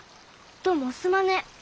どうもすまね。